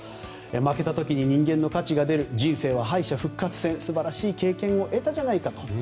負けた時に人間の価値が出る人生は敗者復活戦素晴らしい経験を得たじゃないかと。